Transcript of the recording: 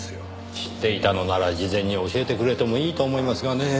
知っていたのなら事前に教えてくれてもいいと思いますがねぇ。